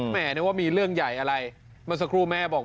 นึกว่ามีเรื่องใหญ่อะไรเมื่อสักครู่แม่บอก